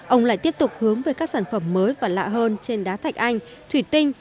ông lại tiếp tục hướng về các sản phẩm mới và lạ hơn trên đá thạch anh thủy tinh